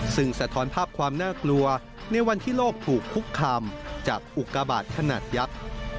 ซึ่งสะท้อนภาพความน่ากลัวในวันที่โลกถูกคุกคามจากอุกาบาทขนาดยักษ์